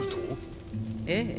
ええ。